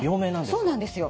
そうなんですよ。